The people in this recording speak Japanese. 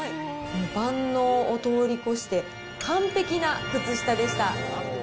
万能を通り越して、完璧な靴下でした。